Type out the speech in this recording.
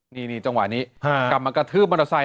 นี่จังหวะนี้กลับมากระทืบมอเตอร์ไซค